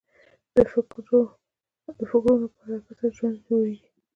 د فکرو نه په حرکت سره ژوند جوړېږي.